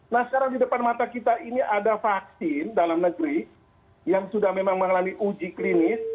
nah sekarang di depan mata kita ini ada vaksin dalam negeri yang sudah memang mengalami uji klinis